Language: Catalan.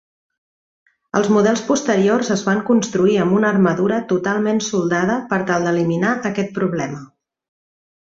Els models posteriors es van construir amb una armadura totalment soldada per tal d'eliminar aquest problema.